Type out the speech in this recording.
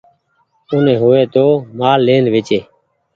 او ني هووي تو مآل لين ويچي۔